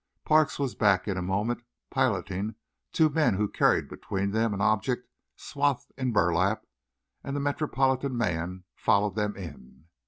Parks was back in a moment, piloting two men who carried between them an object swathed in burlap, and the Metropolitan man followed them in.